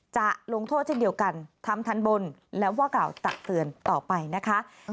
จะลงโทษเช่นเดียวกันทำทันบนแล้วว่ากล่าวตักเตือนต่อไปนะคะ